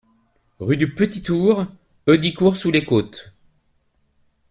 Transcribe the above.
Rue du Petit Tour, Heudicourt-sous-les-Côtes